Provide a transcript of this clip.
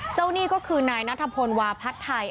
เจ้านี้คือนายนัทธพงวาพัททัย